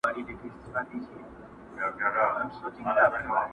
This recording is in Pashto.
یو څه په ځان د سړیتوب جامه کو!